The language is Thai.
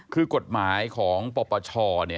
คือกฎหมายของปปช